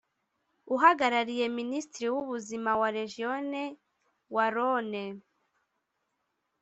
uhagarariye Minisitiri w’ubuzima wa Région Wallonne